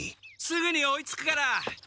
すぐに追いつくから！